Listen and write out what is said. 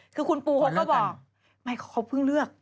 คือคุณปูเขาก็บอกไม่เขาเพิ่งเลือก